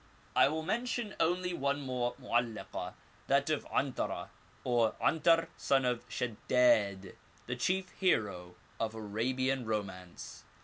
I will mention only one more Mo'allakah, that of 'Antarah, or *Antar, son of Shedd&d, the chief hero of Arabian romance.